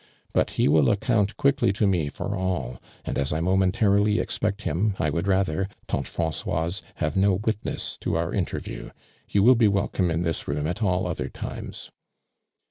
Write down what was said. But he will account quickly to me for all, and as I momentarily expect him, I would rather, ianie Francoise, have no witness to our interview. You wil 1 be welcome in this room at all other times."